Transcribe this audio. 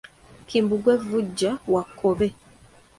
Kimbugwe Vujja wa Kkobe.